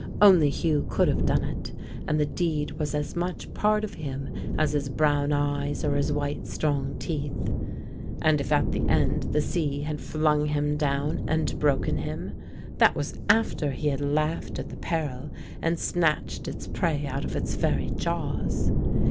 Only Hugh could have done it, and the deed was as much part of him as his brown eyes or his white strong teeth. And if at the end the sea had flung him down and broken him, that was after he had laughed at the peril and snatched its prey out of its very jaws!